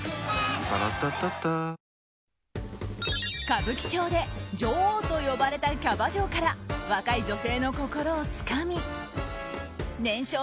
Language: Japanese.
歌舞伎町で嬢王と呼ばれたキャバ嬢から若い女性の心をつかみ年商